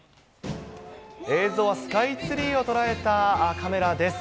映像はスカイツリーを捉えたカメラです。